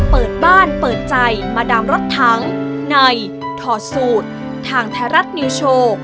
เปิดบ้านเปิดใจมาดามรถทั้งในถอดสูตรทางไทยรัฐนิวโชว์